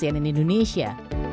tim liputan cnn indonesia